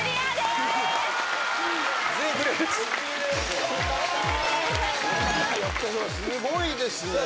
すごいですね。